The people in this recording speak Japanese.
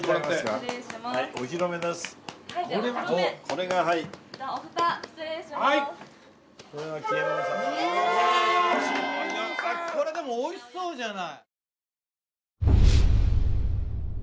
これでもおいしそうじゃない！